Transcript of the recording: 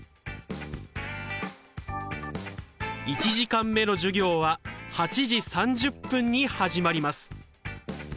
１時間目の授業は８時３０分に始まります。